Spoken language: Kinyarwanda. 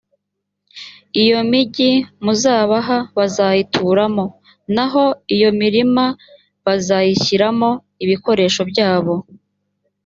iyo migi muzabaha bazayituramo, naho iyo mirima bazayishyiramo ibikoresho byabo